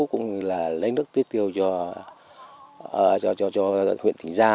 cũng như là lấy nước tiết tiêu cho huyện thủy gia